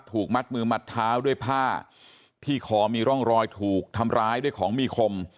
ถูกมัดมือมัดเท้าด้วยผ้าที่คอมีร่องรอยถูกทำร้ายด้วยของมีคม